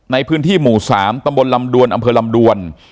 ในพื้นที่หมู่๓ตำบลลำดวนอำเภอลำดวน